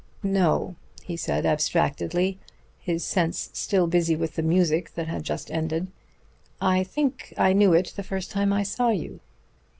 "No," he said, abstractedly, his sense still busy with the music that had just ended. "I think I knew it the first time I saw you."